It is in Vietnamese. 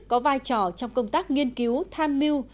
có vai trò trong công tác nghiên cứu tham mưu